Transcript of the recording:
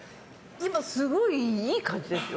今、すごいいい感じですよ。